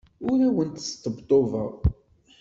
Ur awent-sṭebṭubeɣ.